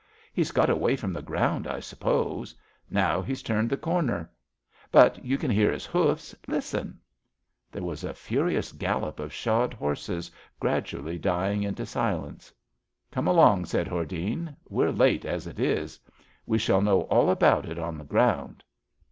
He's got away from the ground, I suppose. Now he's turned the cor ner ; but you can hear his hoofs. Listen !^' There was a furious gallop of shod horses, gradually dying into silence. Come along, '' said Hordene. a We're late as it is. We shall know all about it on the ground."